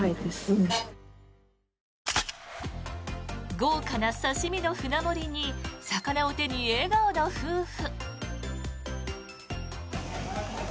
豪華な刺し身の舟盛りに魚を手に笑顔の夫婦。